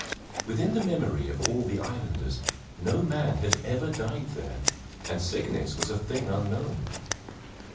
Within the memory of all the islanders no man had ever died there, and sickness was a thing unknown.